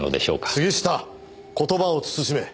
杉下言葉を慎め。